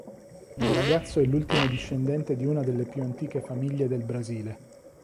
Il ragazzo è l'ultimo discendente di una delle più antiche famiglie del Brasile.